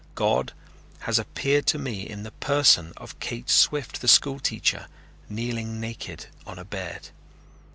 God has appeared to me in the person of Kate Swift, the school teacher, kneeling naked on a bed.